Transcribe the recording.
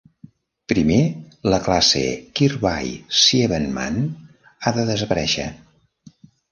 Primer, la classe Kirby-Siebenmann ha de desaparèixer.